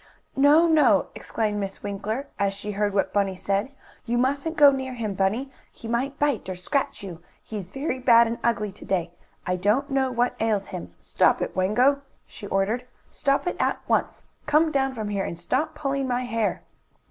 "No, no!" exclaimed Miss Winkler, as she heard what Bunny said. "You musn't go near him, Bunny. He might bite or scratch you. He is very bad and ugly to day. I don't know what ails him. Stop it, Wango!" she ordered. "Stop it at once! Come down from there, and stop pulling my hair!"